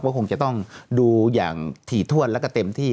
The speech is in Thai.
ก็คงจะต้องดูอย่างถี่ถ้วนแล้วก็เต็มที่